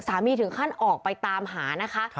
ถึงขั้นออกไปตามหานะคะ